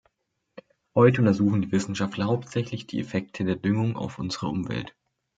Heute untersuchen die Wissenschaftler hauptsächlich die Effekte der Düngung auf unsere Umwelt.